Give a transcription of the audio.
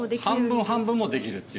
半分半分もできる。